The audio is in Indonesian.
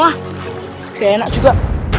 gak enak juga